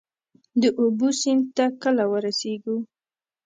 د اوبو، سیند ته کله ورسیږو؟